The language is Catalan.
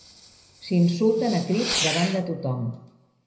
S'insulten a crits davant de tothom.